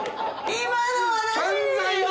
今のは。